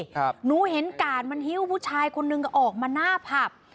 หนูเห็นกาดมันฮิ้วผู้ชายคนนึงก็ออกมาหน้าผับ